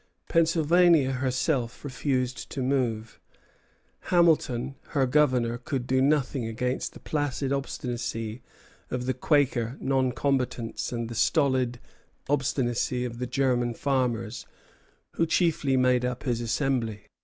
Pennsylvania herself refused to move. Hamilton, her governor, could do nothing against the placid obstinacy of the Quaker non combatants and the stolid obstinacy of the German farmers who chiefly made up his Assembly.